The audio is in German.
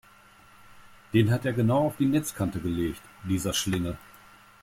Den hat er genau auf die Netzkante gelegt, dieser Schlingel!